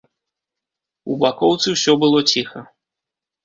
У бакоўцы ўсё было ціха.